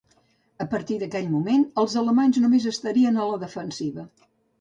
A partir d'aquell moment, els alemanys només estarien a la defensiva.